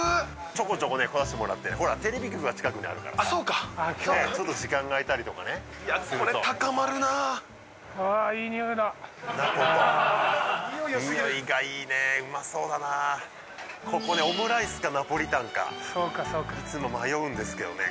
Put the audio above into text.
ちょこちょこねこさせてもらってほらテレビ局が近くにあるからあそうかちょっと時間が空いたりとかねいやこれ高まるなああニオイよすぎるここねオムライスかナポリタンかそうかそうかいつも迷うんですけどね